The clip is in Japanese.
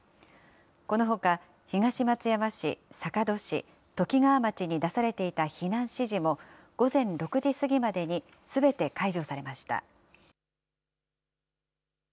このほか、東松山市、坂戸市、ときがわ町に出されていた避難指示も、午前６時過ぎまでにすべて解除されました。